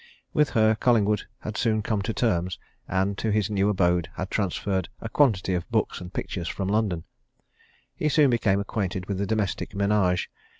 With her Collingwood had soon come to terms, and to his new abode had transferred a quantity of books and pictures from London. He soon became acquainted with the domestic menage.